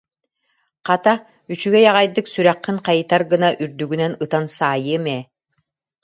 Хата, үчүгэй аҕайдык сүрэххин хайытар гына үрдүгүнэн ытан саайыам ээ